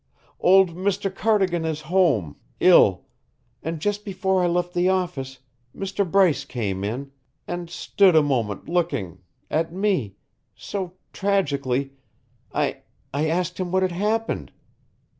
Old Mr. Cardigan is home ill; and just before I left the office, Mr. Bryce came in and stood a moment looking at me so tragically I I asked him what had happened.